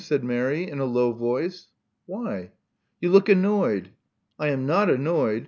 said Mary, in a low voice. Why?" You look annoyed." "I am not annoyed.